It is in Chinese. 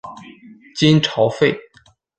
金朝废。